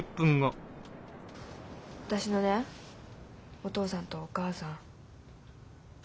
私のねお父さんとお母さん。